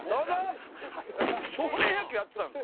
少年野球やってたの。